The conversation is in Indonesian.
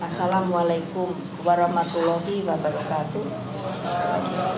assalamualaikum warahmatullahi wabarakatuh